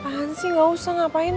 eh ngapain sih nggak usah ngapain